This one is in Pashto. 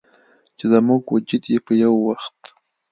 چې زموږ وجود یې په یوه وخت